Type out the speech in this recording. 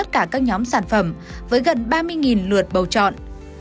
các nhóm sản phẩm với gần ba mươi lượt bầu chọn